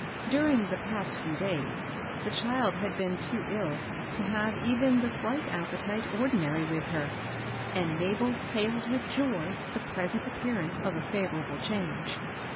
During the past few days the child had been too ill to have even the slight appe tite ordinary with her, and Mabel hailed with joy the present appearance of a favorable change.